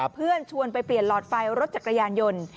เพื่อนชวนไปเปลี่ยนลอร์ดไฟล์รถจักรยานยนต์